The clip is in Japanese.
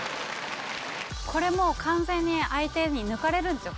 これもう完全に相手に抜かれるんですよ